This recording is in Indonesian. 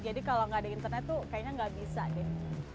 jadi kalau nggak ada internet tuh kayaknya nggak bisa deh